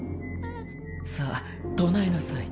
さあ唱えなさい。